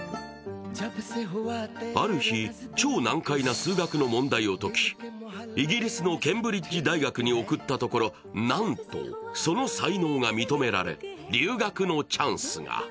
ある日、超難解な数学の問題を解き、イギリスのケンブリッジ大学に送ったところなんと、その才能が認められ、留学のチャンスが。